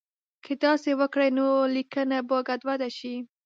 که داسې وکړي نو لیکنه به ګډوډه شي.